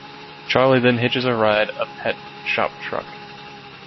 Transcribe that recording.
Charlie then hitches a ride a pet shop truck.